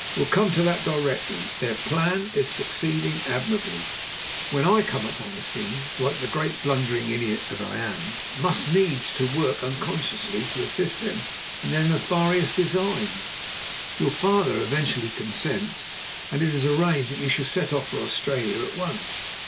We'll come to that directly. Their plan is succeeding admirably, when I come upon the scene and, like the great blundering idiot I am, must needs set to work unconsciously to assist them in their nefarious designs. Your father eventually consents, and it is arranged that you shall set off for Australia at once.